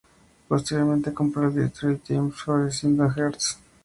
Posteriormente compró el "Detroit Times" favoreciendo a Hearst.